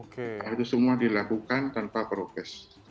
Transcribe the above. hal itu semua dilakukan tanpa progres